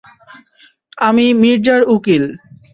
আমি মির্জার উকিল।